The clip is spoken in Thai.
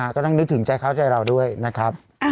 ก็ต้องนึกถึงใจเข้าใจเราด้วยนะครับ